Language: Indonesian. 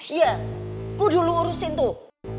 iya kudulu urusin tuh